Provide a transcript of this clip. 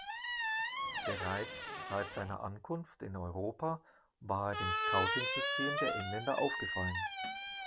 Bereits seit seiner Ankunft in Europa war er dem Scouting-System der Engländer aufgefallen.